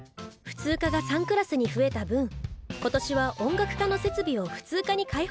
普通科が３クラスに増えた分今年は音楽科の設備を普通科に開放することにしました。